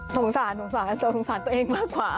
สงสารสงสารสงสารตัวเองมากกว่า